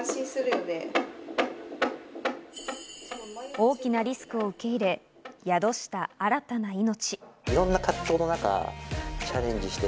大きなリスクを受け入れ、宿した新たな生命。